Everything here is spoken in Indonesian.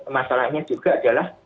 masalahnya juga adalah